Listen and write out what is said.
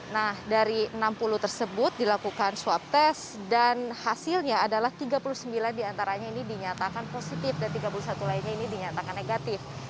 nah dari enam puluh tersebut dilakukan swab test dan hasilnya adalah tiga puluh sembilan diantaranya ini dinyatakan positif dan tiga puluh satu lainnya ini dinyatakan negatif